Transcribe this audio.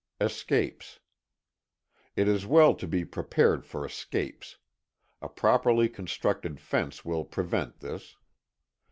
20.ŌĆöEscapes. It is well to be prepared for escapes. A properly constructed fence will prevent this.